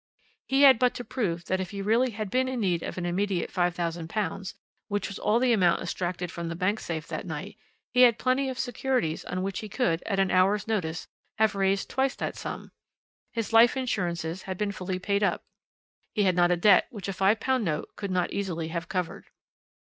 "He had but to prove that if he really had been in need of an immediate £5000 which was all the amount extracted from the bank safe that night he had plenty of securities on which he could, at an hour's notice, have raised twice that sum. His life insurances had been fully paid up; he had not a debt which a £5 note could not easily have covered.